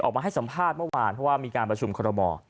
ออกมาให้สัมภาษณ์เมื่อวานเพราะว่ามีการประชุมคอรมอ